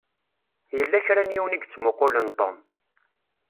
Yella kra n yiwen i yettmuqqulen Tom.